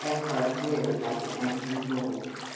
Eckhart glared like an angry bull.